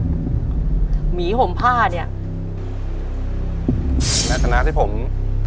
และตัวนี้คือภาพไหนในตัวเลือกทั้ง๔ตัวเลือก